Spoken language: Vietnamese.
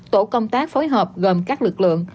tổ công tác phối hợp gồm các lực lượng